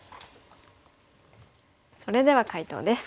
それでは解答です。